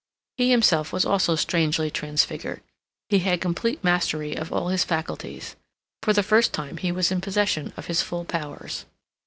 He himself was also strangely transfigured. He had complete mastery of all his faculties. For the first time he was in possession of his full powers.